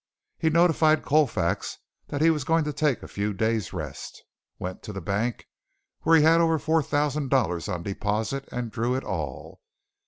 He notified Colfax that he was going to take a few days rest, went to the bank where he had over four thousand dollars on deposit, and drew it all.